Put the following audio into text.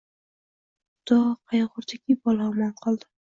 Xudo qayg`urdiki, bola omon qoldi